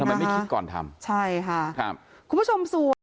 ไม่คิดก่อนทำใช่ค่ะครับคุณผู้ชมส่วน